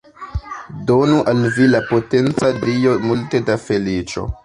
Donu al vi la potenca Dio multe da feliĉo.